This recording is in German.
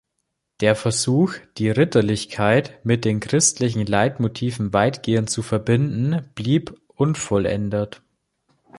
Der Versuch, die Ritterlichkeit mit christlichen Leitmotiven weitergehend zu verbinden, blieb unvollendet.